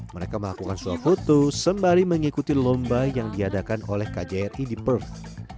mereka melakukan suap foto sembari mengikuti lomba yang diadakan oleh kjri di perth